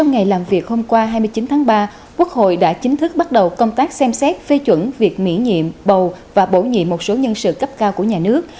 ngày làm việc hôm qua hai mươi chín tháng ba quốc hội đã chính thức bắt đầu công tác xem xét phê chuẩn việc miễn nhiệm bầu và bổ nhị một số nhân sự cấp cao của nhà nước